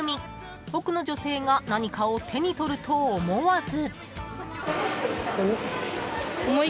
［奥の女性が何かを手に取ると思わず］